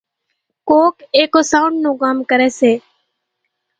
ڪانڪ اِيڪو سائونڍ نون ڪام ڪريَ سي۔